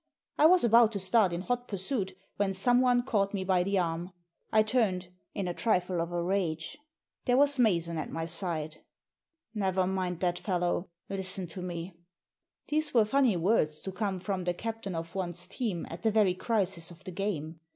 I was about to start in hot pursuit when someone caught me by the arm. I turned — in a trifle of a rage. There was Mason at my side. " Never mind that fellow. Listen to me." These were funny words to come from the captain of one's team at the very crisis of the game.